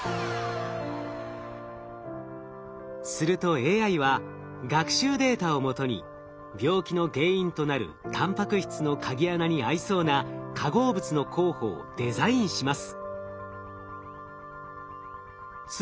するとＡＩは学習データをもとに病気の原因となるたんぱく質の鍵穴に合いそうな化合物の候補をデザインします。